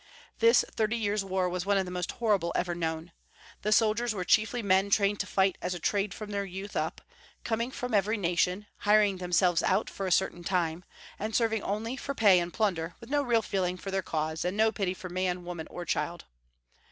This thirty years' war was one of the most horrible ever known. The soldiers were chiefly men trained to fight as a trade from their youth up, coming from every nation, hiring themselves out for a certain time, and serving only for pay and plunder, with no real feeling for their cause, and no pity for man, woman, or child.